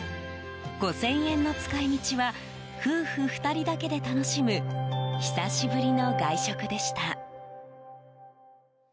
５０００円の使い道は夫婦２人だけで楽しむ久しぶりの外食でした。